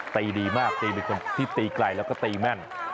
ตีดีมากตีเป็นคนที่ตีไกลแล้วก็ตีแม่น